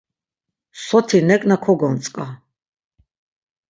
Soti nek̆na ko gontzk̆a!